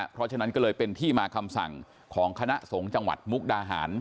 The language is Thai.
เพราะฉะนั้นก็เลยเป็นที่มาคำสั่งของคณะสงฆ์จังหวัดมุกดาหาร